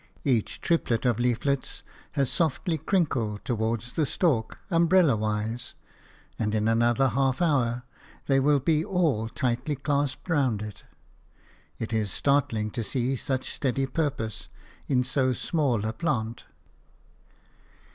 Each triplet of leaflets has softly crinkled toward the stalk, umbrella wise, and in another half hour they will be all tightly clasped round it. It is startling to see such steady purpose in so small a plant.